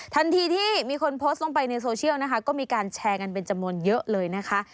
ทันทีที่มีคนโพสต์ลงไปในโซเชียลนะคะก็มีการแชร์กันเป็นจำนวนเยอะเลยนะคะ